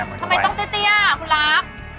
อ๋อหมุนบอกทำไมต้องเต้ะเตี้ยอ่ะคุณลักษณ์